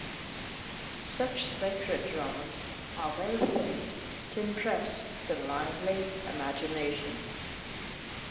Such sacred dramas are well fitted to impress the lively imagination.